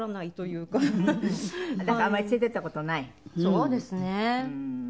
そうですね。